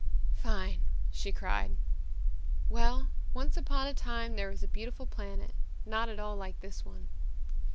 "Fine," she cried. "Well once upon a time there was a beautiful planet, not at all like this one.